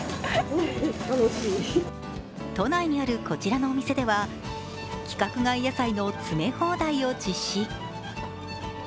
都内にあるこちらのお店では、規格外野菜の詰め放題を実施。